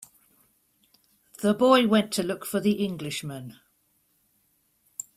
The boy went to look for the Englishman.